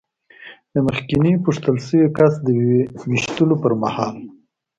د مخکېني پوښتل شوي کس د وېشتلو پر مهال.